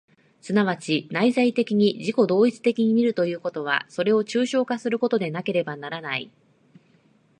即ち内在的に自己同一的に見るということは、それを抽象化することでなければならない。